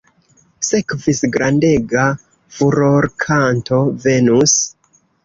Sekvis grandega furorkanto "Venus".